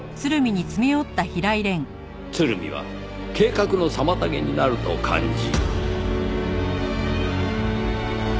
鶴見は計画の妨げになると感じ。